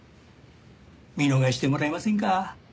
見逃してもらえませんか？